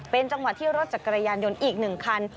เป็นจังหวะที่รถจักรยานยนต์อีก๑คัน